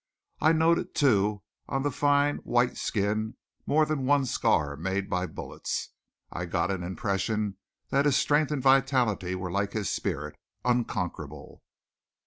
I noted, too, on the fine white skin more than one scar made by bullets. I got an impression that his strength and vitality were like his spirit unconquerable!